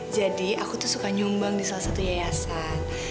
jadi aku tuh suka nyumbang di salah satu yayasan